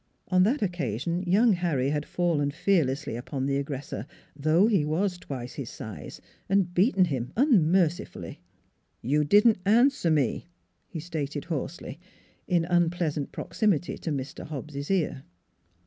On that occasion young Harry had fallen fearlessly upon the aggressor, though he was twice his size, and beaten him unmercifully. NEIGHBORS 273 " You didn't answer me," he stated hoarsely, in unpleasant proximity to Mr. Hobbs' ear.